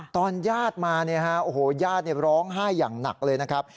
ตอนญาติมาญาติร้องไห้อย่างหนักเลยนะครับ